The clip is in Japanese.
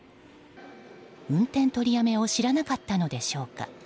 運転取りやめを知らなかったのでしょうか。